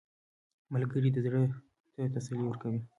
ملګری د زړه ته تسلي ورکوي